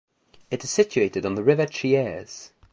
It is situated on the river Chiese.